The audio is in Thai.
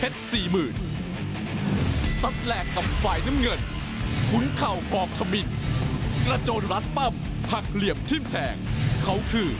ติดตามวิทยา